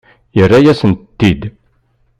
Yerra-yasent-tent-id.